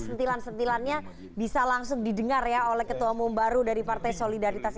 sentilan sentilannya bisa langsung didengar ya oleh ketua umum baru dari partai solidaritas